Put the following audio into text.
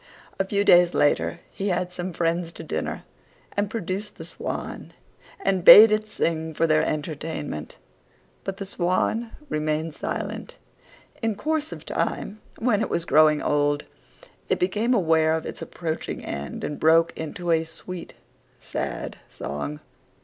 A few days later he had some friends to dinner, and produced the Swan, and bade it sing for their entertainment: but the Swan remained silent. In course of time, when it was growing old, it became aware of its approaching end and broke into a sweet, sad song.